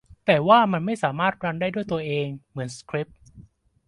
แต่ว่ามันไม่สามารถรันได้ด้วยตัวเองเหมือนสคริปต์